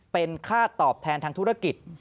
เป็นค่าตอบแทนทางธุรกิจ